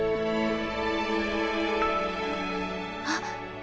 あっ。